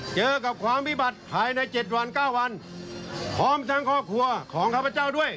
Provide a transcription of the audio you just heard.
เจอกับความวิบัติภายใน๗วัน๙วันพร้อมทั้งครอบครัวของข้าพเจ้าด้วย